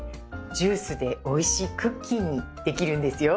ジュースでおいしいクッキーにできるんですよ。